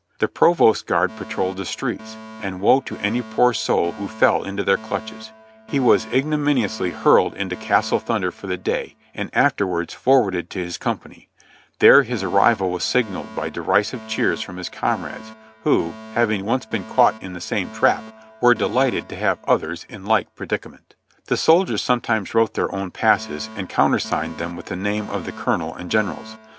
The provost guard patrolled the streets, and woe to any poor soul w^ho fell into their clutches ; he was igno miniously hurled into Castle Thunder for the day, and afterwards forwarded to his company; there his arrival was signaled by derisive cheers from his comrades, who, having once been caught in the same trap, were delighted to have others in like predica ment. The soldiers sometimes wrote their own passes and counter signed them with the name of the colonel and generals.